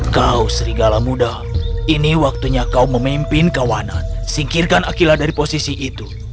kau serigala muda ini waktunya kau memimpin kawanan singkirkan akilah dari posisi itu